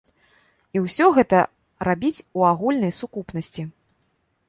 І ўсё гэта рабіць у агульнай сукупнасці.